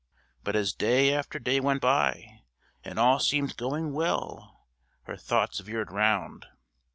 But as day after day went by, and all seemed going well, her thoughts veered round.